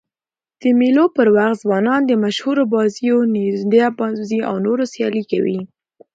د مېلو پر وخت ځوانان د مشهورو بازيو: نیزه بازي او نورو سيالۍ کوي.